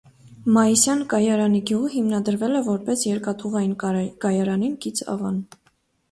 Մայիսյան կայարանի գյուղը հիմնադրվել է որպես երկաթուղային կայարանին կից ավան։